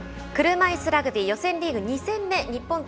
車いすラグビー予選リーグ２戦目日本対